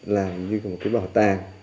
làm như một cái bảo tàng